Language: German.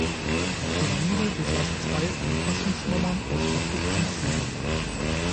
Die Pyramide besaß zwei Umfassungsmauern aus verputzten Ziegeln.